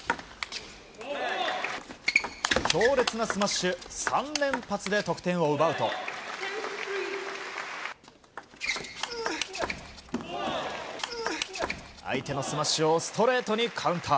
強烈なスマッシュ３連発で得点を奪うと相手のスマッシュをストレートにカウンター。